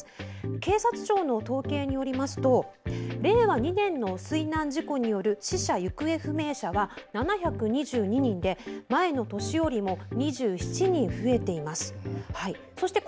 警察庁の統計によると令和２年の水難事故による死者・行方不明者は７２２人で前の年よりも２７人増えています。